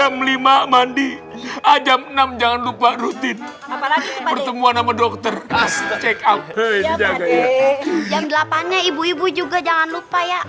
mandi jam enam jangan lupa rutin pertemuan nama dokter as check up jam delapan ibu ibu juga jangan lupa ya